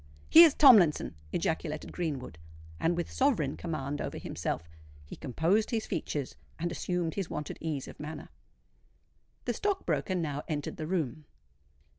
"Here's Tomlinson!" ejaculated Greenwood; and with sovereign command over himself, he composed his features and assumed his wonted ease of manner. The stock broker now entered the room.